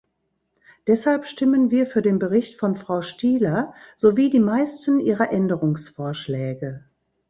Deshalb stimmen wir für den Bericht von Frau Stihler sowie die meisten ihrer Änderungsvorschläge.